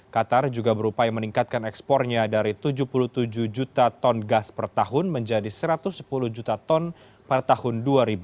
qatar juga berupaya meningkatkan ekspornya dari tujuh puluh tujuh juta ton gas per tahun menjadi satu ratus sepuluh juta ton pada tahun dua ribu dua puluh